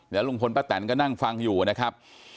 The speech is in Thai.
เดี๋ยวรุงพลแป๊ดแตนก็นั่งฟังอยู่ครับ